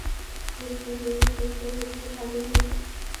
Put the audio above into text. বেশী সসয় তো লাগেনি।